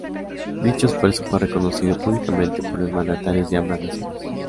Dicho esfuerzo fue reconocido públicamente por los mandatarios de ambas naciones.